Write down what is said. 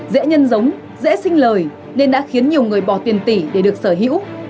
dễ nhân giống dễ sinh lời nên đã khiến nhiều người bỏ tiền tỷ để được sở hữu